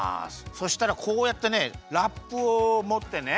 そしたらこうやってねラップをもってね